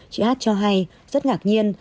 chị hát cho hay rất ngạc nhiên